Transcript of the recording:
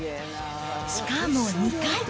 しかも２回。